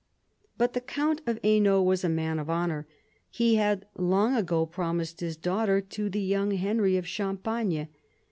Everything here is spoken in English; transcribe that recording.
But the count of Hainault was a man of honour. He had long ago promised his daughter to the young Henry of Champagne.